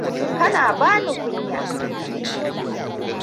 Kana bani kunya.